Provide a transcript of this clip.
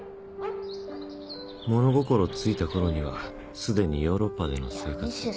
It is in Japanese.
もの心ついたころにはすでにヨーロッパでの生活。